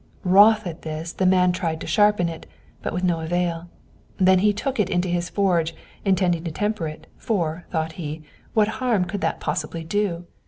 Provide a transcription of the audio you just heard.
Wroth at this, the man tried to sharpen it, but with no avail. Then he took it into his forge, intending to temper it, for, thought he, what harm could that possibly do?